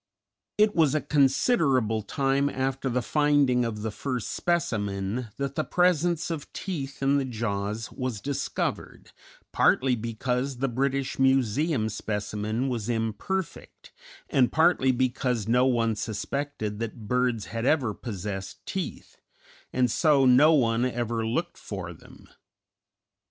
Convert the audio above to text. It was a considerable time after the finding of the first specimen that the presence of teeth in the jaws was discovered, partly because the British Museum specimen was imperfect, and partly because no one suspected that birds had ever possessed teeth, and so no one ever looked for them.